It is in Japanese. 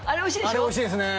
あれおいしいですね